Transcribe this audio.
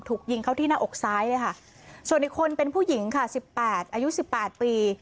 ถูกยิงเข้าที่หน้าอกซ้ายเลยค่ะส่วนอีกคนเป็นผู้หญิงค่ะสิบแปดอายุสิบแปดปี